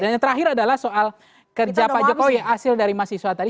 yang terakhir adalah soal kerja pak jokowi hasil dari mahasiswa tadi